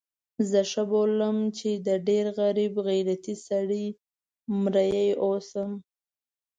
زه ښه بولم چې د ډېر غریب غیرتي سړي مریی اوسم.